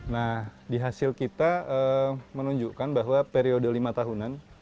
nah di hasil kita menunjukkan bahwa periode lima tahunan